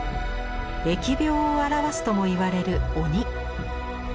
疫病を表すともいわれる鬼。